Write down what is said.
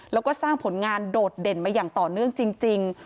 แล้วก็สร้างผลงานโดดเด่นมาอย่างต่อเนื่องจริง